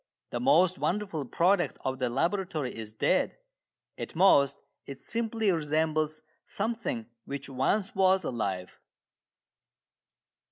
The most wonderful product of the laboratory is dead. At most it simply resembles something which once was alive.